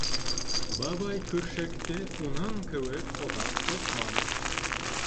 Бабай көршәкте уның кеүек оҙаҡ тотманы.